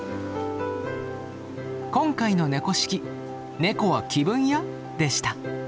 今回の「猫識」「ネコは気分屋！？」でした。